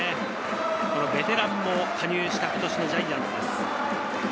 ベテランも加入した今年のジャイアンツです。